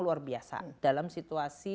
luar biasa dalam situasi